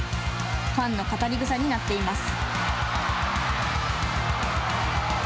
ファンの語り草になっています。